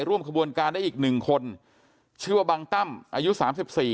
ร่วมขบวนการได้อีกหนึ่งคนชื่อว่าบังตั้มอายุสามสิบสี่